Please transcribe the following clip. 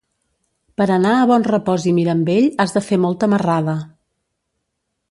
Per anar a Bonrepòs i Mirambell has de fer molta marrada.